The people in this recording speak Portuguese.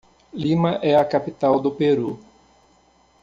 Lima é a capital do Peru.